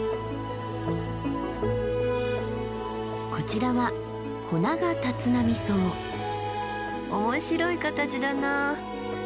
こちらは面白い形だな。